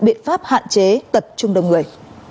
biện pháp hạn chế tật chung đồng người